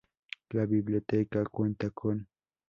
La biblioteca cuenta con